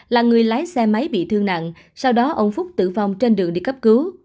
là người lái xe máy bị thương nặng sau đó ông phúc tử vong trên đường đi cấp cứu